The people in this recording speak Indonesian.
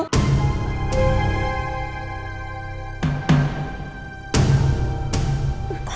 mereka bisa menemukan rekaman cctv itu